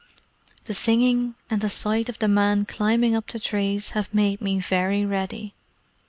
The singing and the sight of the men climbing up the trees have made me very ready.